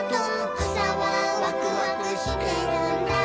「くさはワクワクしてるんだ」